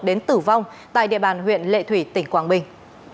đến tử vong tại địa bàn huyện lệ thủy tỉnh quảng bình